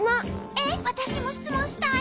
えっわたしもしつもんしたい！